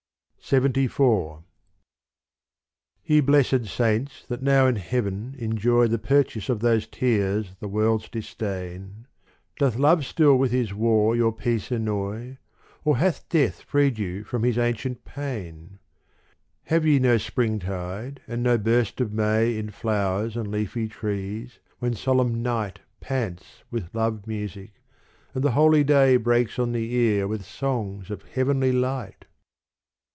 LXXIV Ye blessed saints that now in heaven enjoy The purchase of those tears the world's disdain, Doth love still with his war your peace annoy, Or hath Death freed you from his ancient pain ? Have ye no springtide and no burst of May In flowers and leafy trees, when solemn night Pants with love music, and the holy day Breaks on the ear with songs of heavenly light